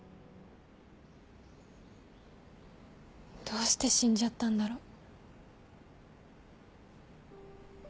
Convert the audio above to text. どうして死んじゃったんだろう。